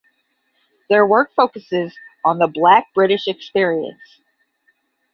Their work focuses on the Black British experience.